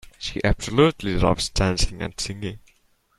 She absolutely loves dancing and singing.